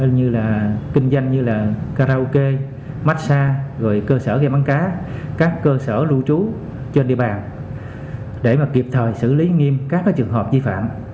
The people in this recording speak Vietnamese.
các cơ sở như là kinh doanh như là karaoke massage rồi cơ sở gây bắn cá các cơ sở lưu trú trên địa bàn để mà kịp thời xử lý nghiêm các cái trường hợp di phạm